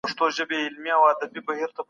هر انسان د خپل برخلیک لیکوال دی.